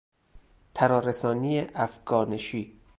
ترارسانی افگانشی